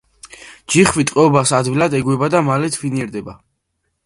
ჯიხვი ტყვეობას ადვილად ეგუება და მალე თვინიერდება.